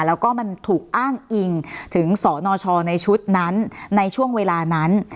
แล้วก็มันถูกอ้างอิงถึงสนชในชุดนั้นในช่วงเวลานั้น